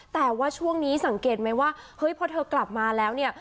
แต่ว่าช่วงนี้สังเกตไหมว่าเฮ้ยพอเธอกลับมาแล้วเนี่ย